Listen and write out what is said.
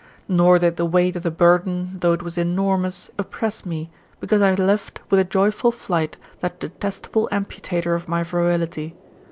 Nor did the weight of the burden, though it was enormous, oppress me ; because I left, with a joyful flight, that detestable amputator of my virility.